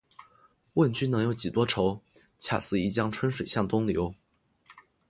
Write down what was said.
问君能有几多愁？恰似一江春水向东流